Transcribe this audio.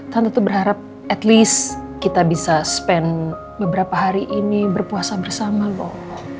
kan tentu berharap at least kita bisa spend beberapa hari ini berpuasa bersama loh